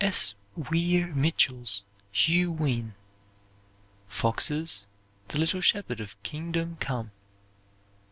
S. Weir Mitchell's "Hugh Wynne." Fox's "The Little Shepherd of Kingdom Come."